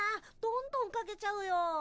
どんどんかけちゃうよ。